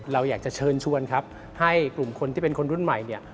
เราอยากจะเชิญชวนครับให้กลุ่มคนที่เป็นคนรุ่นใหม่เนี่ย